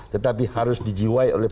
tetapi harus dijiwai oleh